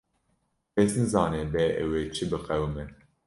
Kes nizane bê ew ê çi biqewime.